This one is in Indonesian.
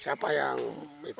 siapa yang itu